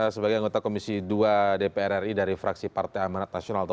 sebagai anggota komisi ii dpr ri dari fraksi partai amarat tt t